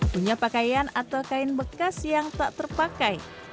punya pakaian atau kain bekas yang tak terpakai